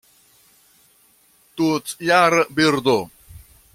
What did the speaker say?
Tutjara birdo.